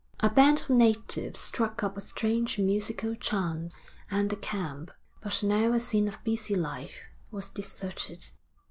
A band of natives struck up a strange and musical chant, and the camp, but now a scene of busy life, was deserted.